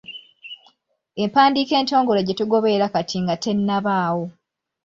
Empandiika entongole gye tugoberera kati nga tennabaawo.